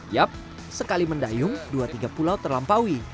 yap sekali mendayung dua tiga pulau terlampaui